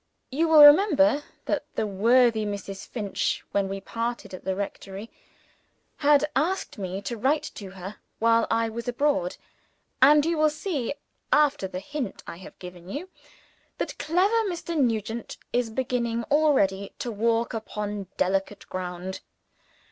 You will remember that worthy Mrs. Finch, when we parted at the rectory, had asked me to write to her while I was abroad and you will see, after the hint I have given you, that clever Mr. Nugent is beginning already to walk upon delicate ground.